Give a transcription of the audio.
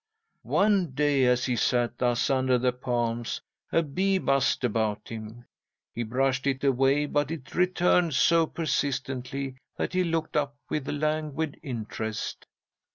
"'One day, as he sat thus under the palms, a bee buzzed about him. He brushed it away, but it returned so persistently that he looked up with languid interest.